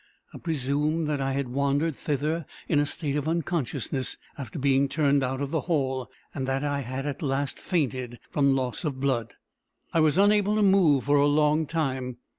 I presume that I had wandered thither in a state of unconsciousness, after being turned out of the Hall, and that I had at last fainted from loss of blood. I was unable to move for a long time.